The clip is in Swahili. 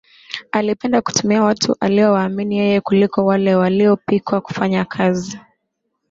Alipenda kutumia watu aliowaamini yeye kuliko wale waliopikwa kufanya kazi